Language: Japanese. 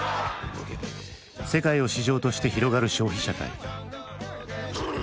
世界を市場として広がる消費社会。